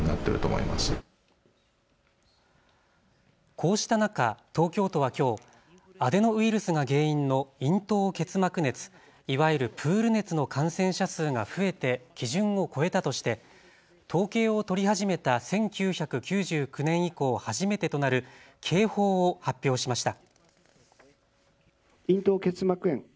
こうした中、東京都はきょうアデノウイルスが原因の咽頭結膜熱、いわゆるプール熱の感染者数が増えて基準を超えたとして統計を取り始めた１９９９年以降初めてとなる警報を発表しました。